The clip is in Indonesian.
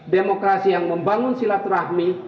demokrasi yang membangun silat rahmi